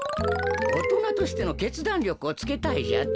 おとなとしてのけつだんりょくをつけたいじゃと？